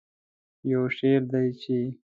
یو شعر دی چې